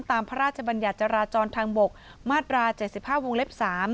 พระราชบัญญัติจราจรทางบกมาตรา๗๕วงเล็บ๓